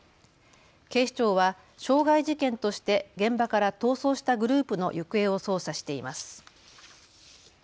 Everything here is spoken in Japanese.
警視庁は傷害事件として現場から逃走したグループの行方を捜査しています。